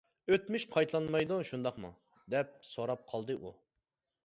-ئۆتمۈش قايتىلانمايدۇ، شۇنداقمۇ؟ دەپ سوراپ قالدى ئۇ.